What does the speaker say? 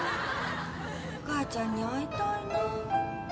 お母ちゃんに会いたいな。